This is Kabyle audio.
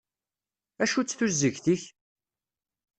Acu-tt tuzegt-ik?